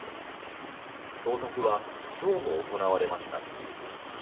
捜索は今日も行われました。